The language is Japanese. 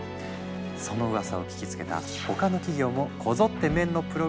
そのうわさを聞きつけた他の企業もこぞってメンのプログラムを導入。